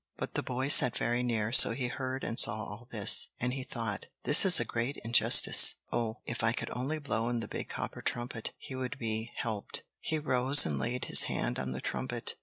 But the boy sat very near, so he heard and saw all this, and he thought: "This is a great injustice. Oh! if I could only blow in the big copper trumpet, he would be helped." He rose and laid his hand on the trumpet.